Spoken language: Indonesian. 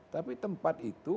tapi tempat itu